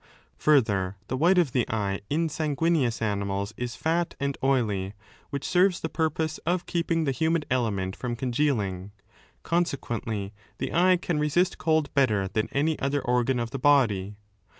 Further, the white of the eye ^ in sanguineous 13 animals is fat and oily, which serves the purpose of keeping the humid element from congealing. Conse quently, the eye can resist cold better than any other organ of the body.